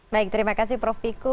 baik terima kasih prof viku